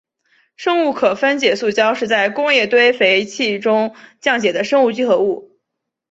生物可分解塑胶是在工业堆肥器中降解的生物聚合物。